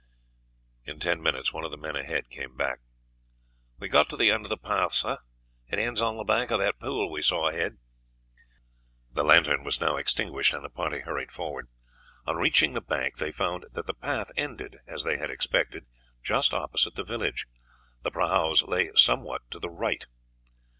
In ten minutes one of the men ahead came back. "We have got to the end of the path, sir; it ends on the bank of that pool we saw ahead." The lantern was now extinguished, and the party hurried forward. On reaching the bank they found that the path ended, as they had expected, just opposite the village. The prahus lay somewhat to the right.